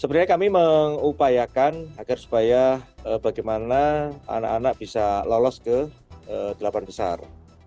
sebenarnya kami mengupayakan agar supaya bagaimana anak anak bisa lolos ke delapan besar